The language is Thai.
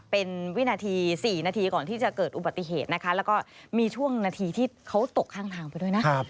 เป็นวินาที๔นาทีก่อนที่จะเกิดอุบัติเหตุนะคะแล้วก็มีช่วงนาทีที่เขาตกข้างทางไปด้วยนะ